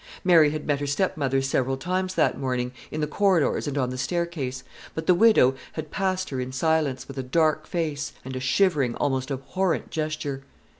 Mary had met her stepmother several times that morning, in the corridors and on the staircase; but the widow had passed her in silence, with a dark face, and a shivering, almost abhorrent gesture.